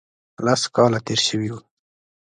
لس کاله تېر شوي وو.